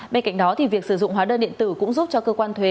bên cạnh đó việc sử dụng hóa đơn điện tử cũng giúp cho cơ quan thuế